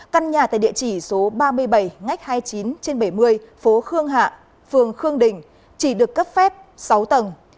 căn nhà tại địa chỉ số ba mươi bảy ngách hai mươi chín trên bảy mươi phố khương hạ phường khương đình chỉ được cấp phép sáu tầng